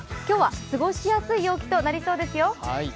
今日は過ごしやすい陽気となりそうですよ。